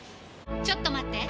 ちょっと待って！